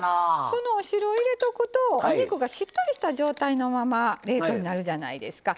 そのお汁を入れとくとお肉がしっとりした状態のまま冷凍になるじゃないですか。